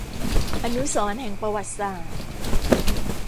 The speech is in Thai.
อนุสรณ์แห่งประวัติศาสตร์